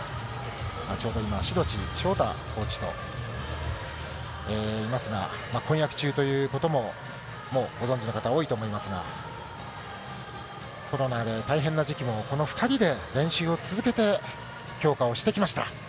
先ほど、志土地翔大コーチといますが、婚約中ということも、もうご存じの方多いと思いますが、コロナで大変な時期も、この２人で練習を続けて強化をしてきました。